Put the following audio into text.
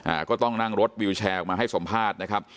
อ่าก็ต้องนั่งรถวิวแชร์ออกมาให้สัมภาษณ์นะครับ